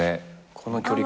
この距離感。